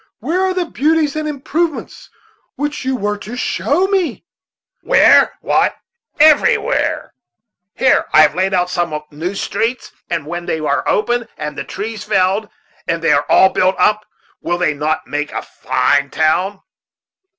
Where are the beauties and improvements which you were to show me?" "Where? why, everywhere! Here I have laid out some new streets; and when they are opened, and the trees felled, and they are all built up, will they not make a fine town?